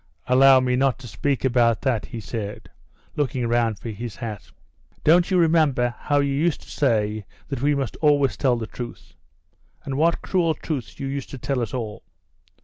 "Allow me not to speak about that," he said, looking round for his hat. "Don't you remember how you used to say that we must always tell the truth? And what cruel truths you used to tell us all!